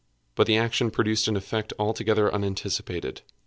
But the action produced an effect altogether unanticipated.